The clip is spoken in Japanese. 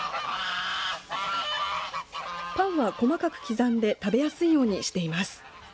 パンは細かく刻んで食べやすいようにしています。